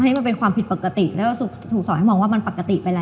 มันเป็นความผิดปกติแล้วถูกสอนให้มองว่ามันปกติไปแล้ว